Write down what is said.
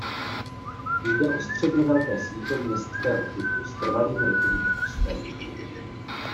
Jde o středně velké sídlo městského typu s trvalým rychlým růstem.